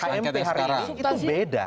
sampai hari ini itu beda